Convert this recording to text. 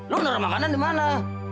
lo nerah makanan di mana